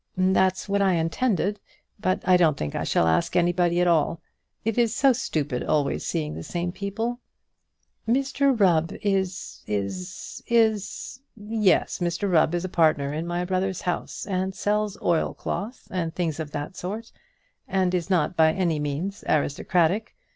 "That's what I intended; but I don't think I shall ask anybody at all. It is so stupid always seeing the same people." "Mr Rubb is is is ?" "Yes; Mr Rubb is a partner in my brother's house, and sells oilcloth, and things of that sort, and is not by any means aristocratic.